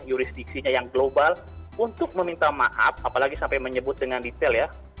jurisdiksinya yang global untuk meminta maaf apalagi sampai menyebut dengan detail ya